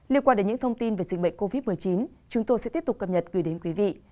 liên quan đến những thông tin về dịch bệnh covid một mươi chín chúng tôi sẽ tiếp tục cập nhật gửi đến quý vị